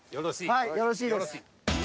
はいよろしいです。